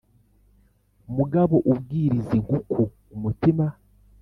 mugabo ubwiriza inkuku umutima